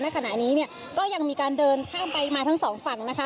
ขณะนี้เนี่ยก็ยังมีการเดินข้ามไปมาทั้งสองฝั่งนะคะ